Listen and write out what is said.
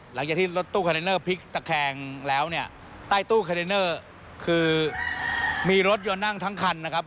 หลังจากที่รถตู้คอนเทนเนอร์พลิกตะแคงแล้วเนี่ยใต้ตู้คอนเทนเนอร์คือมีรถยนต์นั่งทั้งคันนะครับ